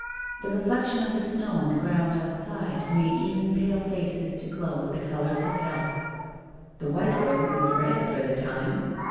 The reflection of the snow on the ground outside made even pale faces to glow with the colours of health. ' The white rose is red for the time